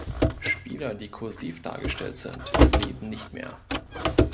Spieler, die "kursiv" dargestellt sind, leben nicht mehr.